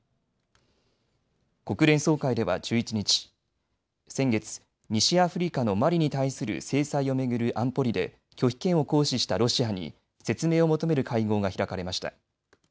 国連総会では１１日、先月、西アフリカのマリに対する制裁を巡る安保理で拒否権を行使したロシアに説明を求める会合が開かれました。